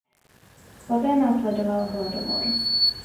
Poté následoval hladomor.